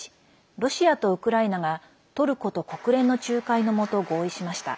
ロシアとウクライナがトルコと国連の仲介のもと合意しました。